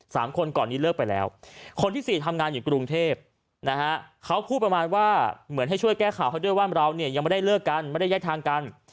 สามคนก่อนนี้เลิกไปแล้วคนที่สี่ทำงานอยู่กรุงเทพนะฮะเขาพูดประมาณว่าเหมือนให้ช่วยแก้ข่าวให้ด้วยว่าเราเนี่ยยังไม่ได้เลิกกันไม่ได้แยกทางกัน